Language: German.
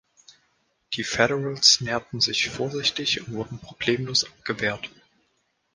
Die Federals näherten sich vorsichtig und wurden problemlos abgewehrt.